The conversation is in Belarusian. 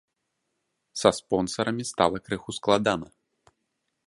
Са спонсарамі стала крыху складана.